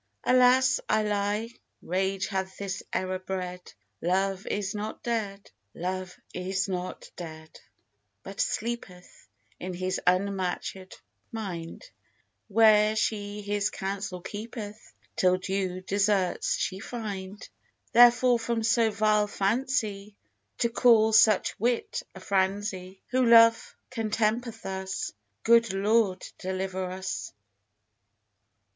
Alas, I lie; rage hath this error bred; Love is not dead; Love is not dead, but sleepeth In his unmatchèd mind, Where she his counsel keepeth, Till due deserts she find: Therefore from so vile fancy, To call such wit a franzy, Who Love can temper thus, Good Lord, deliver us!